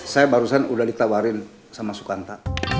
saya barusan udah ditawarin sama sukanta